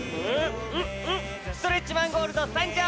ストレッチマンゴールド参上！